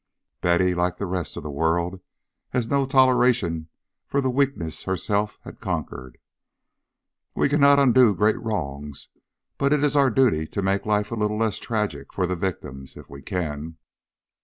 Betty, like the rest of the world, had no toleration for the weaknesses herself had conquered. "We cannot undo great wrongs, but it is our duty to make life a little less tragic for the victims, if we can."